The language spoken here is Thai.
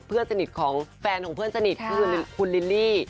เพื่อนสนิทของแฟนของเพื่อนสนิทก็คือคุณลิลลี่